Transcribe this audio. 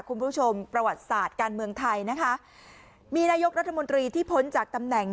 คุณผู้ชมประวัติศาสตร์การเมืองไทยนะคะมีนายกรัฐมนตรีที่พ้นจากตำแหน่ง